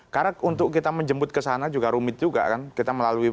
karena untuk kita menjemput ke sana juga rumit juga